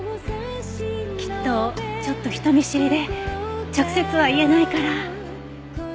きっとちょっと人見知りで直接は言えないから。